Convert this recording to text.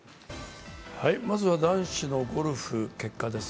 まずは男子のゴルフ、結果です。